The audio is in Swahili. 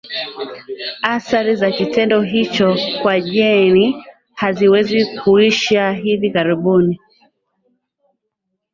Athari za kitendo hicho kwa Jane haziwezi kuisha hivi karibuni